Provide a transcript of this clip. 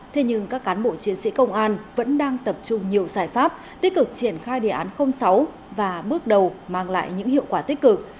thế nhưng các cán bộ chiến sĩ công an vẫn đang tập trung nhiều giải pháp tích cực triển khai đề án sáu và bước đầu mang lại những hiệu quả tích cực